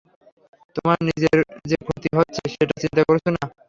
তোমার নিজের যে ক্ষতি হচ্ছে সেটা চিন্তা করছো না?